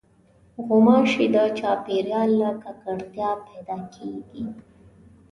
غوماشې د چاپېریال له ککړتیا پیدا کېږي.